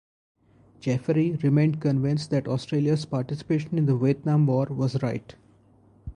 Jeffery remained convinced that Australia's participation in the Vietnam War was right.